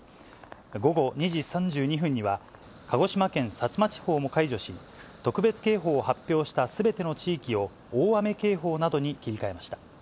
午後２時３２分には、鹿児島県薩摩地方も解除し、特別警報を発表したすべての地域を大雨警報などに切り替えました。